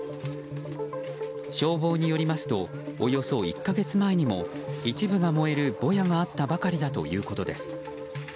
消防によりますとおよそ１か月前にも一部が燃えるボヤがあったばかりだということです。